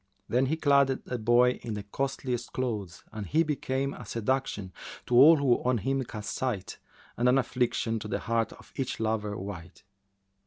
Then she clad the boy in the costliest clothes and he became a seduction to all who on him cast sight and an affliction to the heart of each lover wight.